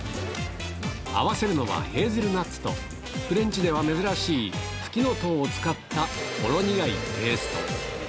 合わせるのはへーゼルナッツと、フレンチでは珍しいフキノトウを使ったほろ苦いペースト。